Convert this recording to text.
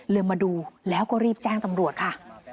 มาดูแล้วก็รีบแจ้งตำรวจค่ะ